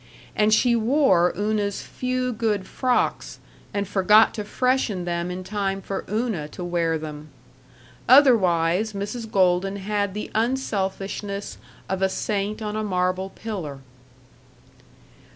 And she wore Una's few good frocks, and forgot to freshen them in time for Una to wear them. Otherwise, Mrs. Golden had the unselfishness of a saint on a marble pillar.